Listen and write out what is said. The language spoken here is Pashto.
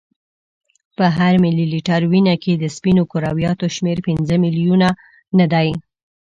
په هر ملي لیتر وینه کې د سپینو کرویاتو شمیر پنځه میلیونه نه دی.